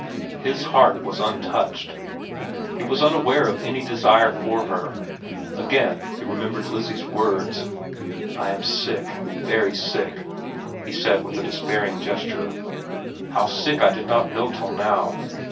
His heart was untouched. He was unaware of any desire for her. Again he remembered Lizzie's words. "I am sick, very sick," he said with a despairing gesture. "How sick I did not know till now.